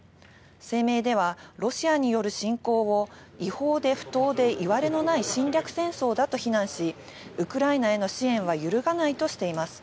声明では、ロシアによる侵攻を違法で不当でいわれのない侵略戦争だと非難し、ウクライナへの支援は揺るがないとしています。